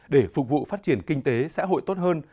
để phục vụ phát triển kinh tế xã hội tốt hơn